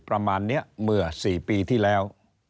ประมาณนี้เมื่อ๔ปีที่แล้ว